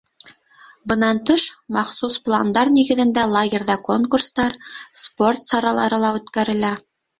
Бынан тыш, махсус план нигеҙендә лагерҙа конкурстар, спорт саралары ла үткәрелә.